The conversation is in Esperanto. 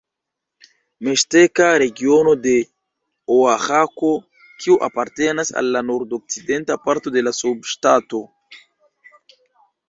Miŝteka regiono de Oaĥako, kiu apartenas al la nordokcidenta parto de la subŝtato.